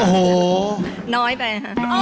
โอ้โหน้อยไป